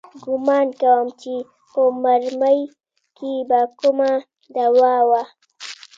ګومان کوم چې په مرمۍ کښې به کومه دوا وه.